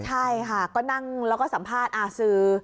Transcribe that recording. ใช่ค่ะก็นั่งแล้วก็สัมภาษณ์สื่อ